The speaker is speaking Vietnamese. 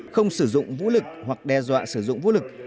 không sử dụng vũ lực hoặc đe dọa sử dụng vũ lực